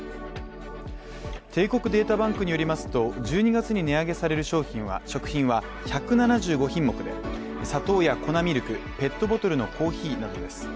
帝国データバンクによりますと１２月に値上げされる食品は１７５品目で砂糖や粉ミルク、ペットボトルのコーヒーなどです。